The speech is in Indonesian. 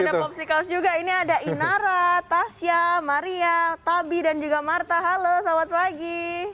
ada popsicles juga ini ada inara tasya maria tabi dan juga marta halo selamat pagi